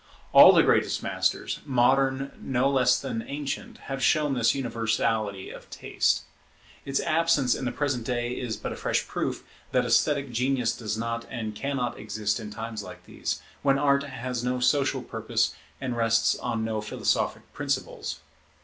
All the greatest masters, modern no less than ancient, have shown this universality of taste. Its absence in the present day is but a fresh proof that esthetic genius does not and cannot exist in times like these, when Art has no social purpose and rests on no philosophic principles.